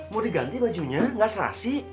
mau diganti bajunya nggak serasi